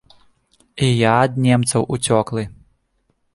І я ад немцаў уцёклы.